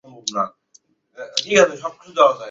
জি, এটাতে মুছবেন না পাপ হবে।